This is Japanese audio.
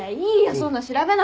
そんな調べなくて！